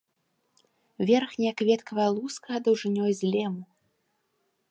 Верхняя кветкавая луска даўжынёй з лему.